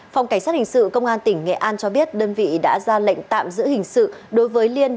phòng cảnh sát hình sự công an tỉnh nghệ an cho biết đơn vị đã ra lệnh tạm giữ hình sự đối với liên